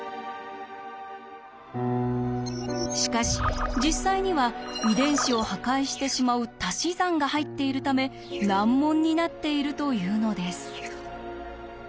しかし実際には遺伝子を破壊してしまうたし算が入っているため難問になっているというのです。